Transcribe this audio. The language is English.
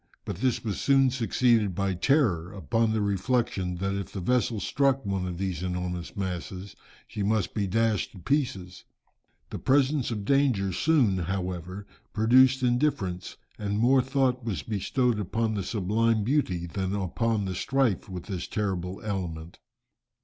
But this was soon succeeded by terror, upon the reflection that if the vessel struck one of these enormous masses, she must be dashed to pieces. The presence of danger soon, however, produced indifference, and more thought was bestowed upon the sublime beauty, than upon the strife with this terrible element.